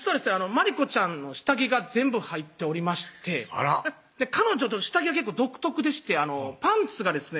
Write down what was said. まりこちゃんの下着が全部入っておりましてあらっ彼女の下着が結構独特でしてパンツがですね